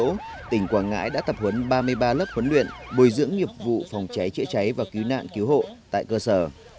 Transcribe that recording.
trong năm hai nghìn một mươi sáu tỉnh quảng ngãi đã tập huấn ba mươi ba lớp huấn luyện bồi dưỡng nghiệp vụ phòng cháy chữa cháy và cứu nạn cứu hộ tại cơ sở